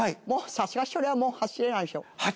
もうさすがにそれはもう走れないでしょ？